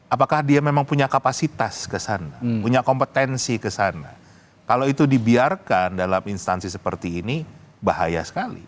apakah dia memang punya kapasitas kesana punya kompetensi kesana kalau itu dibiarkan dalam instansi seperti ini bahaya sekali